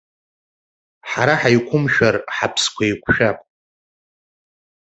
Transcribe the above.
Ҳара ҳаиқәымшәар, ҳаԥсқәа еиқәшәап.